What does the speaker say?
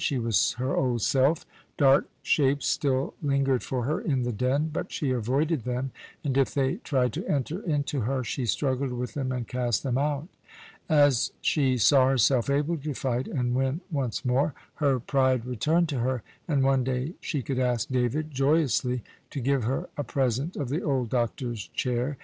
She was her old self. Dark shapes still lingered for her in the Den, but she avoided them, and if they tried to enter into her, she struggled with them and cast them out. As she saw herself able to fight and win once more, her pride returned to her, and one day she could ask David, joyously, to give her a present of the old doctor's chair.